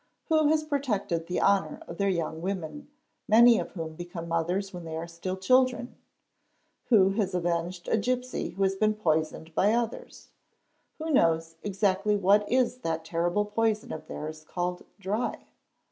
Who has protected the honour of their young _ women—many of whom become mothers when they are still children ? Who has avenged a gipsy who has been poisoned by others? Who _ knows exactly what is that terrible poison of theirs called "dry"?